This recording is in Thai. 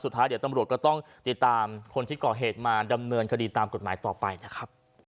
สุดท้ายเดี๋ยวตำรวจก็ต้องติดตามคนที่ก่อเหตุมาดำเนินคดีตามกฎหมายต่อไปนะครับ